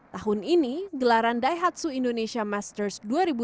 tahun ini gelaran daihatsu indonesia masters dua ribu dua puluh